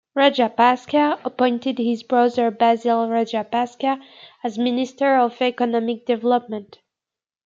Rajapaksa appointed his brother Basil Rajapaksa as minister of Economic Development.